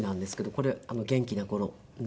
これ元気な頃の。